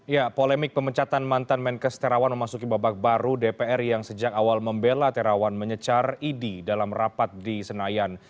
ya polemik pemecatan mantan menkes terawan memasuki babak baru dpr yang sejak awal membela terawan menyecar idi dalam rapat di senayan